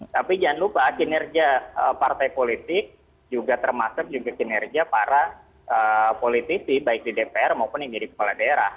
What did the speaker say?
tapi jangan lupa kinerja partai politik juga termasuk juga kinerja para politisi baik di dpr maupun yang jadi kepala daerah